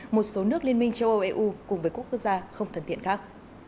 một số nước liên minh châu âu eu cùng với quốc gia không thân thiện khác